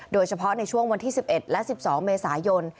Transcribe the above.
โดยเฉพาะในช่วงวันที่๑๑และ๑๒เมษายน